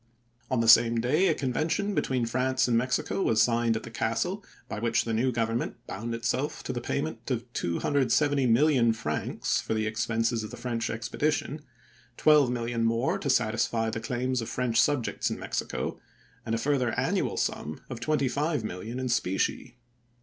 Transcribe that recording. On the same day a convention be tween France and Mexico was signed at the castle, by which the new Government bound itself to the payment of 270,000,000 francs for the expenses of the French expedition, 12,000,000 more to satisfy the claims of French subjects in Mexico, and a further annual sum of 25,000,000 in specie.